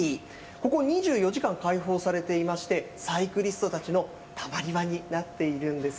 ここ、２４時間開放されていまして、サイクリストたちのたまり場になっているんです。